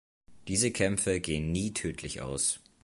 Diese Kämpfe gehen nie tödlich aus.